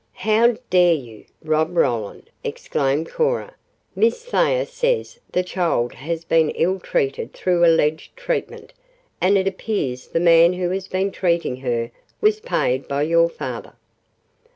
"How dare you, Rob Roland!" exclaimed Cora. "Miss Thayer says the child has been ill treated through alleged treatment, and it appears the man who has been treating her was paid by your father."